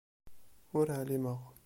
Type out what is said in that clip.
Ur εlimeɣ.